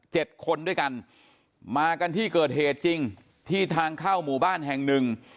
คนด้วยกันมากันที่เกิดเหตุจริงที่ทางเข้าหมู่บ้านแห่งหนึ่ง